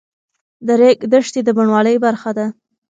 د ریګ دښتې د بڼوالۍ برخه ده.